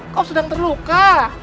kau sedang terluka